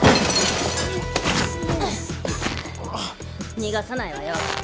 逃がさないわよ。